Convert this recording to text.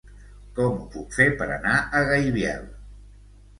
Com ho puc fer per anar a Gaibiel?